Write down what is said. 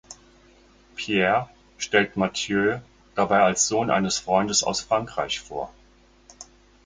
Pierre stellt Mathieu dabei als Sohn eines Freundes aus Frankreich vor.